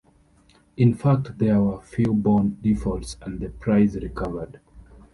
In fact, there were few bond defaults and the price recovered.